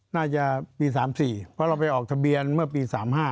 น่าจะปี๓๔เพราะเราไปออกทะเบียนเมื่อปี๓๕